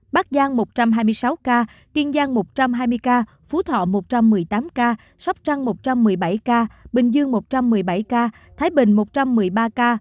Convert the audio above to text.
bắc giang một trăm hai mươi sáu ca kiên giang một trăm hai mươi ca phú thọ một trăm một mươi tám ca sóc trăng một trăm một mươi bảy ca bình dương một trăm một mươi bảy ca thái bình một trăm một mươi ba ca